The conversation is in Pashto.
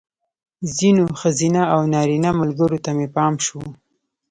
ځینو ښځینه او نارینه ملګرو ته مې پام شو.